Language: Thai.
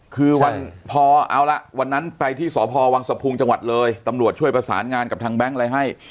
คือวันพอเอาละวันนั้นไปที่สพวังสะพุงจังหวัดเลยตำรวจช่วยประสานงานกับทางแบงค์อะไรให้